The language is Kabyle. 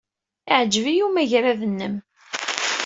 Yeɛjeb-iyi umagrad-nnem.